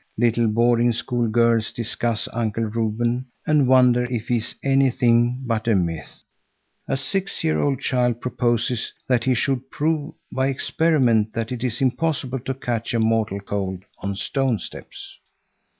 Little boarding school girls discuss Uncle Reuben and wonder if he is anything but a myth. A six year old child proposes that he should prove by experiment that it is impossible to catch a mortal cold on stone steps.